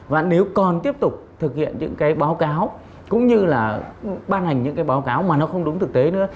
và nếu còn tiếp tục thực hiện những cái báo cáo cũng như là ban hành những cái báo cáo mà nó không đúng thực tế nữa